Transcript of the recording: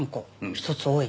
１つ多い。